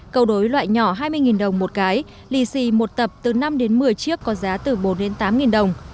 cầu đối loại nhỏ hai mươi đồng một cái lì xì một tập từ năm đến một mươi chiếc có giá từ bốn đến tám đồng